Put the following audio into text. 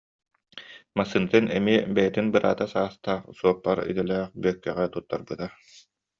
Массыынатын эмиэ бэйэтин бараата саастаах суоппар идэлээх Бүөккэҕэ туттарбыта